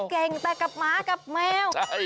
กลัวกับหมากับแมว